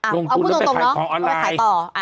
ลงทุนแล้วไปขายของออนไลน์เอ้าพูดตรงเนอะไปขายต่อ